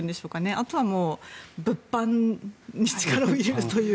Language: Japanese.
あとはもう物販に力を入れるという。